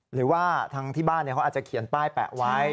หรือว่าทางที่บ้านเขาอาจจะเขียนป้ายแปะไว้